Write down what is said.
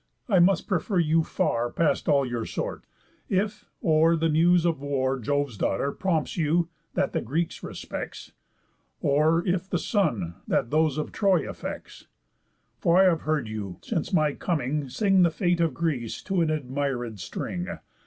I must prefer you far, Past all your sort, if, or the Muse of war, Jove's daughter, prompts you, that the Greeks respects, Or if the Sun, that those of Troy affects. For I have heard you, since my coming, sing The fate of Greece to an admiréd string.